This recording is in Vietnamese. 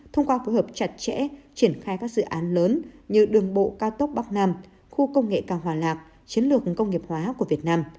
thông qua phối hợp chặt chẽ triển khai các dự án lớn như đường bộ cao tốc bắc nam khu công nghệ cao hòa lạc chiến lược công nghiệp hóa của việt nam